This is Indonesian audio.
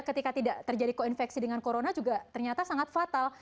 ketika tidak terjadi koinfeksi dengan corona juga ternyata sangat fatal